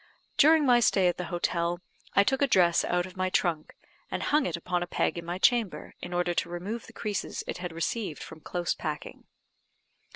During my stay at the hotel, I took a dress out of my trunk, and hung it up upon a peg in my chamber, in order to remove the creases it had received from close packing.